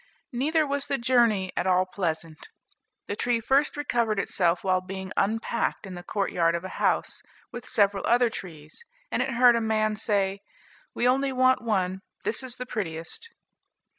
Neither was the journey at all pleasant. The tree first recovered itself while being unpacked in the courtyard of a house, with several other trees; and it heard a man say, "We only want one, and this is the prettiest."